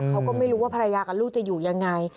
เขาก็ไม่รู้ว่าภรรยากับลูกจะอยู่ยังไง